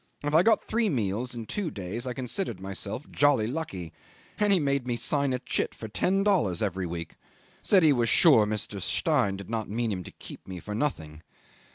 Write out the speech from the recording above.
If I got three meals in two days I considered myself jolly lucky, and he made me sign a chit for ten dollars every week. Said he was sure Mr. Stein did not mean him to keep me for nothing.